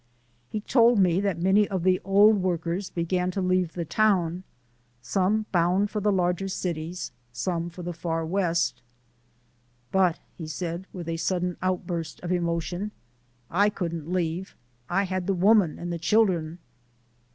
He told me that many of the old workers began to leave the town (some bound for the larger cities, some for the Far West). "But," said he with a sudden outburst of emotion, "I couldn't leave. I had the woman and the children!"